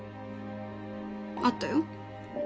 あったよ